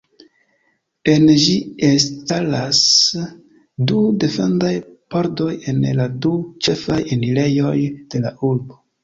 En ĝi elstaras du defendaj pordoj en la du ĉefaj enirejoj de la urbo.